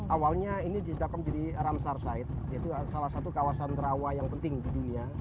awalnya ini ditetapkan menjadi ramsar said yaitu salah satu kawasan terawa yang penting di dunia